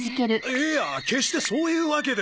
いや決してそういうわけでは。